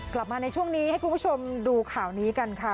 กลับมาในช่วงนี้ให้คุณผู้ชมดูข่าวนี้กันค่ะ